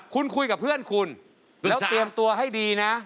คุณคุยกับเพื่อนคุณแล้วเตรียมตัวให้ดีนะ